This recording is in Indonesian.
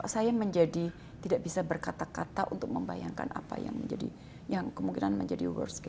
saya tidak bisa berkata kata untuk membayangkan apa yang kemungkinan menjadi kesan terburuk